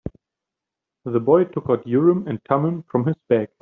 The boy took out Urim and Thummim from his bag.